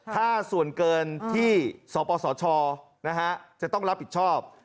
ถ้าส่วนเกินที่สปสชจะต้องรับผิดชอบ